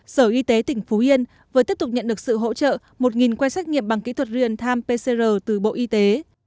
sở y tế tỉnh phú yên vừa tiếp tục nhận được sự hỗ trợ một quay xét nghiệm bằng kỹ thuật real time pcr từ bộ y tế